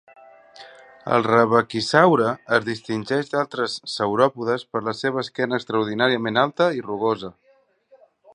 El "rebaquisaure" es distingeix d'altres sauròpodes per la seva esquena extraordinàriament alta i rugosa.